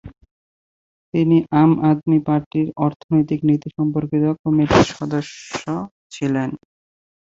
তিনি আম আদমি পার্টির অর্থনৈতিক নীতি সম্পর্কিত জাতীয় কমিটির সদস্য ছিলেন।